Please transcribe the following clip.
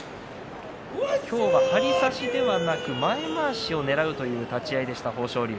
今日は張り差しではなく前まわしをねらうという立ち合いでした、豊昇龍。